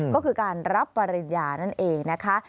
ก็คือการรับปริญญานั่นเองนะคะ